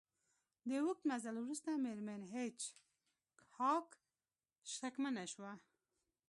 د اوږد مزل وروسته میرمن هیج هاګ شکمنه شوه